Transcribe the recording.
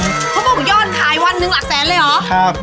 เค้าบอกย่อนทายวันนึงหลักแสนเลยหรือครับ